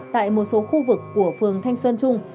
tại một số khu vực của phường thanh xuân trung